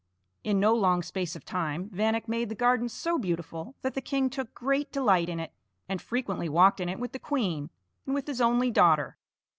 In no long space of time Vanek made the garden so beautiful that the king took great delight in it, and frequently walked in it with the queen and with his only daughter.